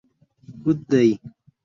Good day.